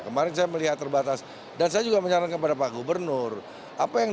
kemarin saya melihat terbatas dan saya juga menyarankan kepada pak gubernur apa yang